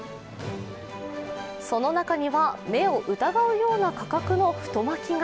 その中には、目を疑うような価格の太巻きが。